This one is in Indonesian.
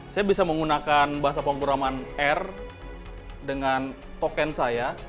saya bisa menggunakan bahasa penguraman r dengan token saya